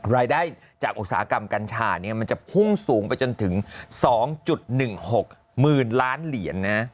รายได้จากอุตสาหกรรมกัญชามันจะพุ่งสูงไปจนถึง๒๑๖๐๐๐ล้านเหรียญนะ